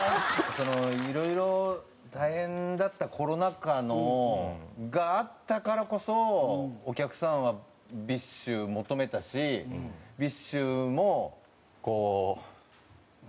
いろいろ大変だったコロナ禍があったからこそお客さんはＢｉＳＨを求めたしＢｉＳＨもこう。